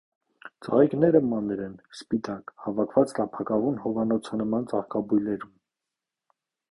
Ծաղիկները մանր են, սպիտակ, հավաքված տափակավուն հովանոցանման ծաղկաբույլերում։